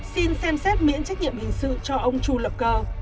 xin xem xét miễn trách nhiệm hình sự cho ông chu lập cơ